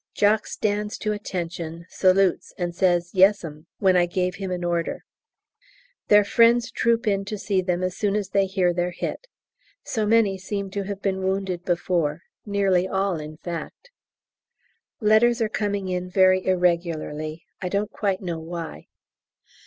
Jock stands to attention, salutes, and says "Yes'm" when I gave him an order. Their friends troop in to see them as soon as they hear they're hit. So many seem to have been wounded before nearly all, in fact. Letters are coming in very irregularly, I don't quite know why.